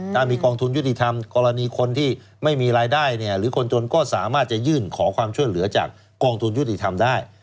ถ้ามีกองทุนยุติธรรมกรณีคนที่ไม่มีรายได้เนี่ยหรือคนจนก็สามารถจะยื่นขอความช่วยเหลือจากกองทุนยุติธรรมได้